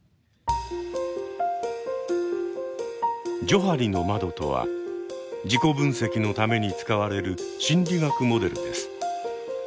「ジョハリの窓」とは自己分析のために使われる心理学モデルです。